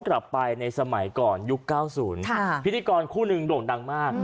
กลับไปในสมัยก่อนยุค๙๐พิธีกรคู่หนึ่งโด่งดังมาก